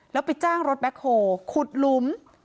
แล้วไปจ้างรถแบ็คโฮลขุดหลุม